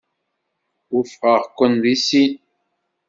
Wufqeɣ-ken deg sin.